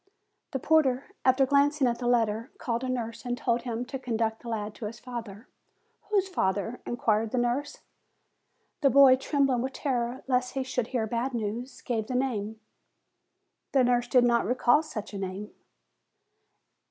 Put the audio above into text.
The porter, after glancing at the letter, called a nurse and told him to conduct the lad to his father. "Whose father?" inquired the nurse. The boy, trembling with terror, lest he should hear bad news, gave the name. The nurse did not recall such a name.